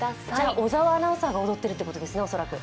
小沢アナウンサーが踊ってるということですね。